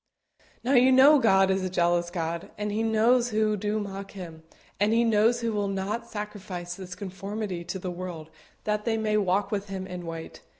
Now you know God is a jealous God, and He knows who do mock Him, and He knows who will not sacrifice this conformity to the world that they may walk with Him in white.